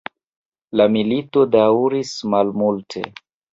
La milito daŭris malmulte.